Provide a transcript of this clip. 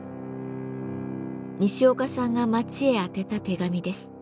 西岡さんが町へ宛てた手紙です。